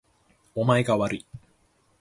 お前がわるい